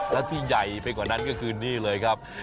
และที่ใหญ่ไปกว่านั้นก็คือนี่เลยครับ